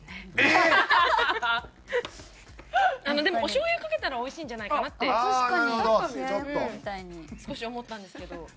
でもお醤油かけたら美味しいんじゃないかなって少し思ったんですけど。